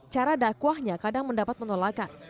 cara dakwahnya kadang mendapat penolakan